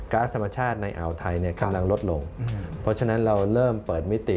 ๊สธรรมชาติในอ่าวไทยเนี่ยกำลังลดลงเพราะฉะนั้นเราเริ่มเปิดมิติ